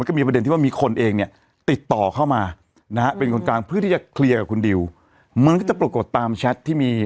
ก็ลองขึ้นดูนะครับ